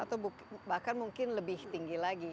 atau bahkan mungkin lebih tinggi lagi